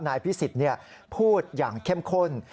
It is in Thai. นายพิศิษฐ์เนี่ยพูดอย่างเข้มข้น